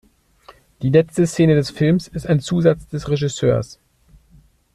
Die letzte Szene des Films ist ein Zusatz des Regisseurs.